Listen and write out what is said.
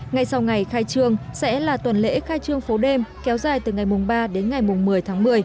ngay sau ngày khai trương sẽ là tuần lễ khai trương phố đêm kéo dài từ ngày ba đến ngày một mươi tháng một mươi